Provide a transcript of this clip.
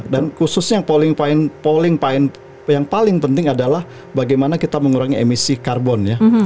dan khususnya yang paling penting adalah bagaimana kita mengurangi emisi karbon ya